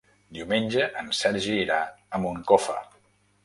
Diumenge en Sergi irà a Moncofa.